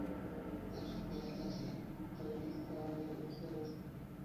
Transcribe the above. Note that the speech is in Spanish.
La Carretera Trasandina atraviesa Tabay de este-oeste.